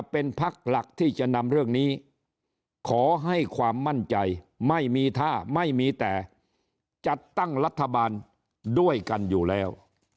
เป็นพักหลักที่จะนำเรื่องนี้ขอให้ความมั่นใจไม่มีท่าไม่มีแต่จัดตั้งรัฐบาลด้วยกันอยู่แล้ว